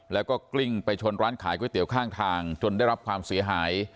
แล้วก็กลิ้งไปชนร้านขายก๋วยเตี๋ยวข้างทางจนได้รับความเสียหาย